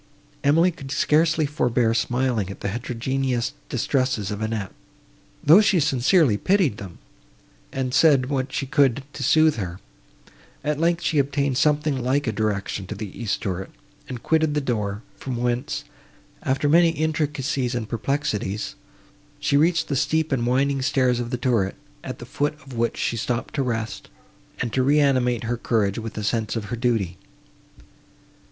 Emily could scarcely forbear smiling at the heterogeneous distresses of Annette, though she sincerely pitied them, and said what she could to sooth her. At length, she obtained something like a direction to the east turret, and quitted the door, from whence, after many intricacies and perplexities, she reached the steep and winding stairs of the turret, at the foot of which she stopped to rest, and to reanimate her courage with a sense of her duty.